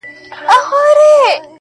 حقيقت ګډوډېږي د خلکو خبرو کي,